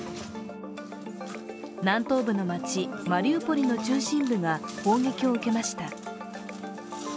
南東部の街マリウポリの中心部が砲撃を受けました。